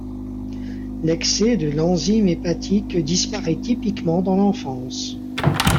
L'excès de l'enzyme hépatique disparait typiquement dans l'enfance.